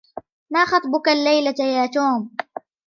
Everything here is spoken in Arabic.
ما خطبك الليلة يا توم ؟